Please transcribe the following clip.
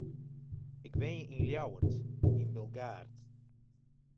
Ik wenje yn Ljouwert, yn Bilgaard.